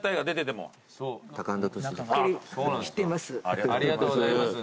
ありがとうございます。